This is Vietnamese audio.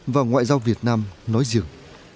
và ngoại giao việt nam nói dường